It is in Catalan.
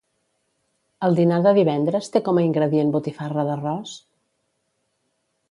El dinar de divendres té com a ingredient botifarra d'arròs?